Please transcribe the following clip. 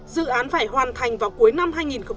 dự án phải hoàn thành vào cuối năm hai nghìn hai mươi